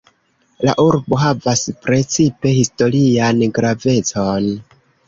La urbo havas precipe historian gravecon.